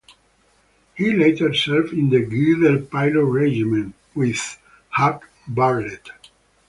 He later served in the Glider Pilot Regiment with Hugh Bartlett.